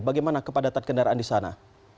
bagaimana kepadatan kendaraan di sana